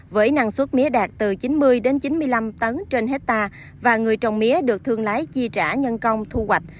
với năng suất mía đạt từ chín mươi đến chín mươi năm tấn trên hectare và người trồng mía được thương lái chi trả nhân công thu hoạch